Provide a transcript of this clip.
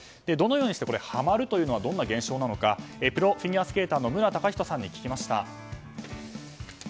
どのようにしてハマるこれはどんな現象なのかプロフィギュアスケーターの無良崇人さんに聞きました。